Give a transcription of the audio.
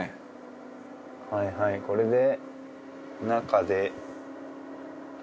はいはいこれで。